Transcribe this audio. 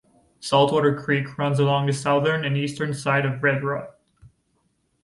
Saltwater Creek runs along the southern and eastern side of Redruth.